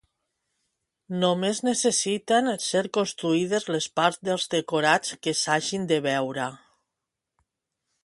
Només necessiten ser construïdes les parts dels decorats que s'hagin de veure.